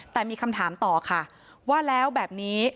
แต่มีคำถามต่อค่ะว่าแล้วแบบนี้